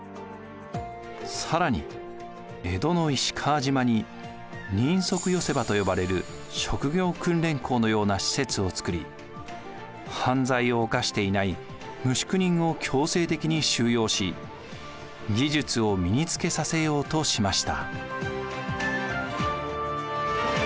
更に江戸の石川島に人足寄場と呼ばれる職業訓練校のような施設を作り犯罪を犯していない無宿人を強制的に収容し技術を身につけさせようとしました。